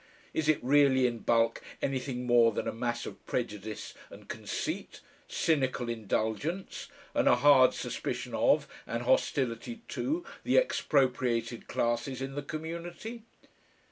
Is it really in bulk anything more than a mass of prejudice and conceit, cynical indulgence, and a hard suspicion of and hostility to the expropriated classes in the community?